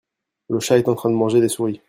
le chat est en train de manger des souris.